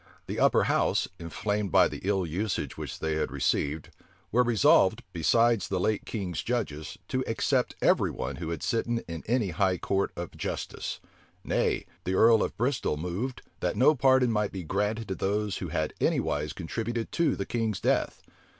The upper house, inflamed by the ill usage which they had received, were resolved, besides the late king's judges, to except every one who had sitten in any high court of justice. Nay, the earl of Bristol moved, that no pardon might be granted to those who had anywise contributed to the king's death.